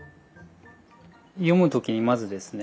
読む時にまずですね